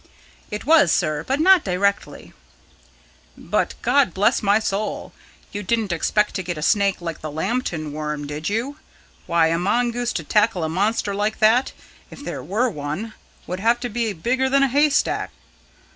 "It was, sir. But not directly." "But, God bless my soul, you didn't expect to get a snake like the Lambton worm, did you? Why, a mongoose, to tackle a monster like that if there were one would have to be bigger than a haystack."